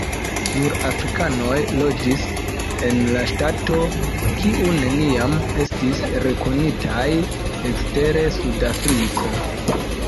Nur afrikanoj loĝis en la ŝtato, kiu neniam estis rekonitaj ekster Sudafriko.